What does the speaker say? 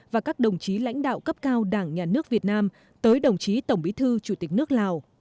và các đồng chí lãnh đạo cấp cao đảng nhà nước việt nam tới đồng chí tổng bí thư chủ tịch nước lào